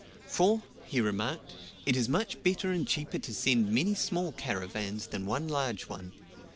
"For," he remarked, "it is much better and cheaper to send many small caravans than one large one.